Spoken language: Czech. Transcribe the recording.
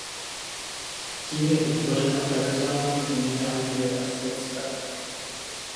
Tím je vytvořena personální unie Anglie a Skotska.